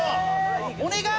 お願い！